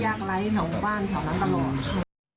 พิจารณาการเล่นของหมู่ว่านชาวนั้นตลอด